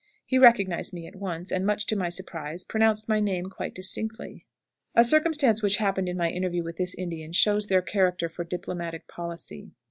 He recognized me at once, and, much to my surprise, pronounced my name quite distinctly. A circumstance which happened in my interview with this Indian shows their character for diplomatic policy.